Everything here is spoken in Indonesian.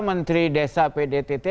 menteri desa pdtt